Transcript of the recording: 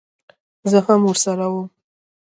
زه هم ورسره وم.